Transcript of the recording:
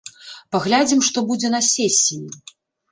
Паглядзім, што будзе на сесіі.